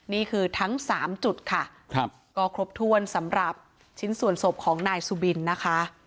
นี่คือทั้งสามจุดค่ะครับก็ครบถ้วนสำหรับชิ้นส่วนศพของนายสุบินนะคะ